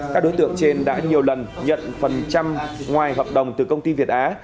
các đối tượng trên đã nhiều lần nhận phần trăm ngoài hợp đồng từ công ty việt á